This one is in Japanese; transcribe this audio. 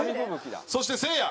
そしてせいや。